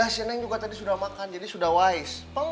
si neng tadi sudah makan jadi sudah wais